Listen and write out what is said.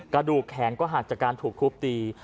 กระดูกแขนก็หักจากการถูกทุบตี